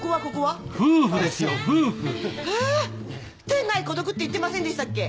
天涯孤独って言ってませんでしたっけ？